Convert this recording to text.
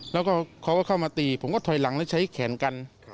แล้วก็เขาก็เข้ามาตีผมก็ถอยหลังแล้วใช้แขนกัน